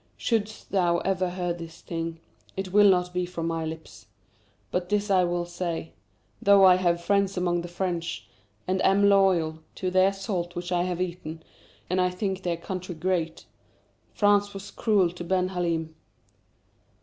Shouldst thou ever hear this thing, it will not be from my lips. But this I will say though I have friends among the French, and am loyal to their salt which I have eaten, and I think their country great France was cruel to Ben Halim.